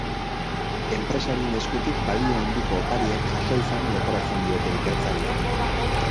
Enpresarien eskutik balio handiko opariak jaso izana leporatzen diote ikertzaileek.